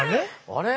あれ？